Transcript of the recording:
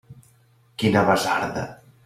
Quina basarda!